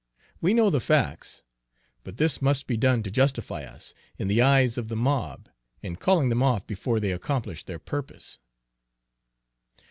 We know the facts; but this must be done to justify us, in the eyes of the mob, in calling them off before they accomplish their purpose."